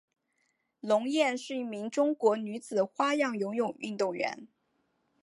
龙艳是一名中国女子花样游泳运动员。